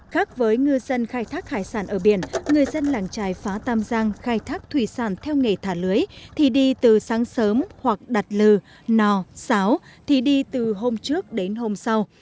khác với ngư dân khai thác hải sản ở biển người dân làng trài phá tam giang khai thác thủy sản theo nghề thả lưới thì đi từ sáng sớm hoặc đặt lừ nò sáo thì đi từ hôm trước đến hôm sau